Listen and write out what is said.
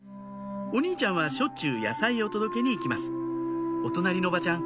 お兄ちゃんはしょっちゅう野菜を届けに行きますお隣のおばちゃん